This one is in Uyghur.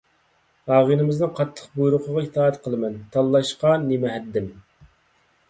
ئاغىمىزنىڭ قاتتىق بۇيرۇقىغا ئىتائەت قىلىمەن. تاللاشقا نېمە ھەددىم؟